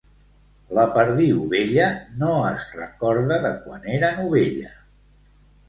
La perdiu vella no es recorda de quan era novella.